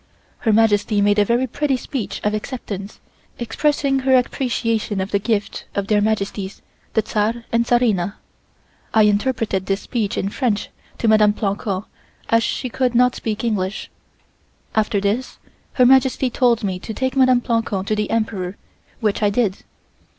Her Majesty made a very pretty speech of acceptance, expressing her appreciation of the gift of their Majesties, the Czar and Czarina. I interpreted this speech in French to Mdme. Plancon, as she could not speak English. After this, Her Majesty told me to take Mdme. Plancon to the Emperor, which I did.